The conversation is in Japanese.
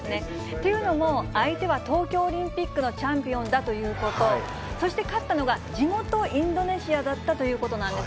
というのも、相手は東京オリンピックのチャンピオンだということ、そして勝ったのが地元、インドネシアだったということなんです。